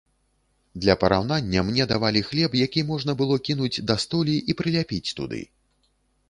Для параўнання, мне давалі хлеб, які можна было кінуць да столі і прыляпіць туды.